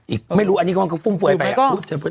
อีกไม่รู้อันนี้ก็ฝุ่มฝวยไป